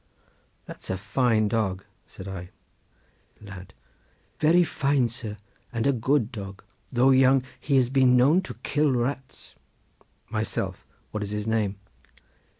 "That's a fine dog," said I. Lad.—Very fine, sir, and a good dog; though young, he has been known to kill rats. Myself.—What is his name?